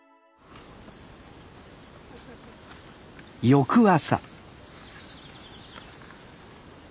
翌朝